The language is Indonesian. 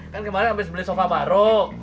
kan kemarin habis beli sofa baru